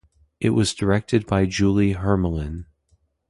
It was directed by Julie Hermelin.